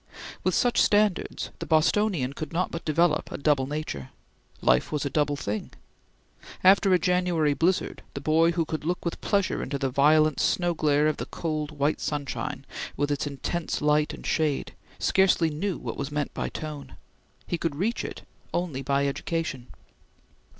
With such standards, the Bostonian could not but develop a double nature. Life was a double thing. After a January blizzard, the boy who could look with pleasure into the violent snow glare of the cold white sunshine, with its intense light and shade, scarcely knew what was meant by tone. He could reach it only by education.